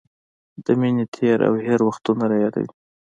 د مینې تېر او هېر وختونه رايادوي.